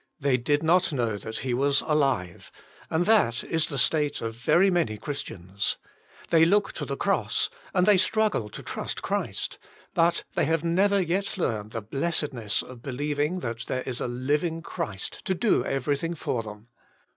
They did not know that He was alive, and that is the state of very many Christians. They look to the Cross, 10 JeiUi Himself. and they struggle to trust Christ, but th«y have never yet learned the blessed ness of believing that there is a living Christ to do everything for them.